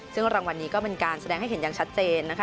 ซึ่งรางวัลนี้ก็เป็นการแสดงให้เห็นอย่างชัดเจนนะคะ